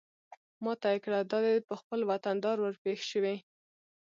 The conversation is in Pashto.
ما ته يې کړه دا دى په خپل وطندار ورپېښ شوې.